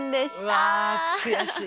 うわ悔しい。